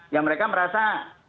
ya mereka merasa